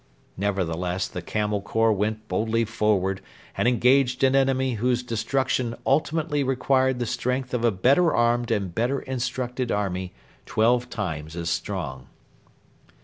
Nevertheless, the Camel Corps went boldly forward, and engaged an enemy whose destruction ultimately required the strength of a better armed and better instructed army twelve times as strong.